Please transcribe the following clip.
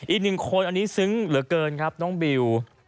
อีกหนึ่งคนอันนี้ซึ้งเหลือเกินครับน้องบิว